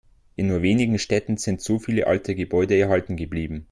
In nur wenigen Städten sind so viele alte Gebäude erhalten geblieben.